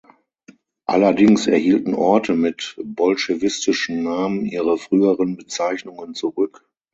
Allerdings erhielten Orte mit "bolschewistischen" Namen ihre früheren Bezeichnungen zurück.